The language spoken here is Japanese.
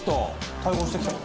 「対抗してきたか」